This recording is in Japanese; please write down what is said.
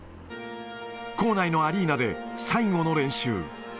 校内のアリーナで、最後の練習。